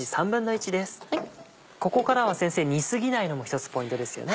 ここからは先生煮過ぎないのも１つポイントですよね。